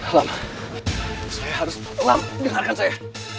alam saya harus alam dengarkan saya